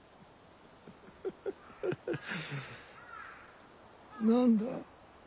フフフ。何だ？